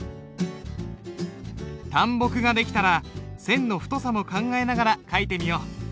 淡墨が出来たら線の太さも考えながら書いてみよう。